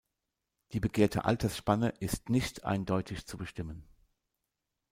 Die begehrte Altersspanne ist nicht eindeutig zu bestimmen.